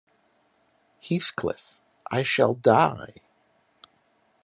Heathcliff, I shall die!